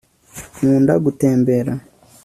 nkunda gutembera